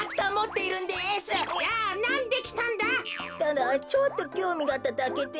ただちょっときょうみがあっただけで。